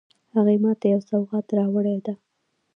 هغې ما ته یو سوغات راوړی ده